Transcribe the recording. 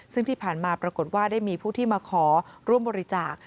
ซึ่งที่ผ่านมาปรากฏว่าได้มีผู้ที่มาขอร่วมบริจาค